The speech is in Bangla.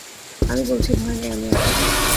আমি বলছি, ভয় নেই, আমি আছি।